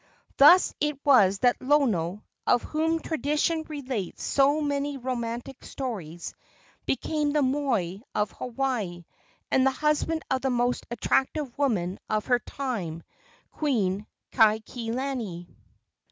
Thus it was that Lono, of whom tradition relates so many romantic stories, became the moi of Hawaii and the husband of the most attractive woman of her time, Queen Kaikilani.